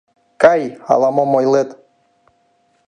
Кай, ала-мом ойлет...